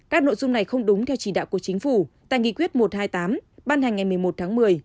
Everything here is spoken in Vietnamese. các nội dung này không đúng theo chỉ đạo của chính phủ tại nghị quyết một trăm hai mươi tám ban hành ngày một mươi một tháng một mươi